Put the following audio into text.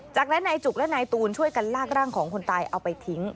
จากนั้นนายจุกและนายตูนช่วยกันลากร่างของคนตายเอาไปทิ้ง